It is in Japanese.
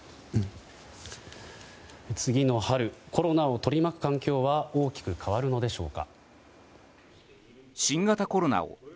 次の春コロナを取り巻く環境は大きく変わるのでしょうか。